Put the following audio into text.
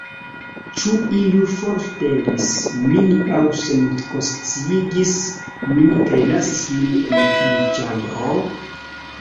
Ĉu iu forŝtelis min aŭ senkonsciigis min kaj lasis min en iu ĉambro?